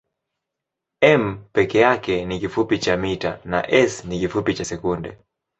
m peke yake ni kifupi cha mita na s ni kifupi cha sekunde.